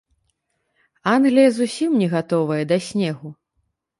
Англія зусім не гатовая да снегу.